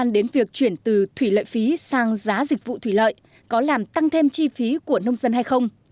đến việc chuyển từ thủy lợi phí sang giá dịch vụ thủy lợi có làm tăng thêm chi phí của nông dân hay không